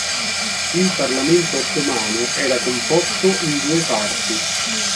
Il Parlamento ottomano era composto in due parti.